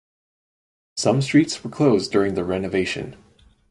Some streets were closed during the renovation.